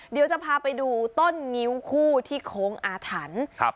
เดี๋ยวจะพาไปดูต้นงิ้วคู่ที่โค้งอาถรรพ์ครับ